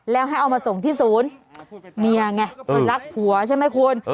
แล้วให้เอามาส่งที่ศูนย์เมียไงรักผัวใช่ไหมคุณ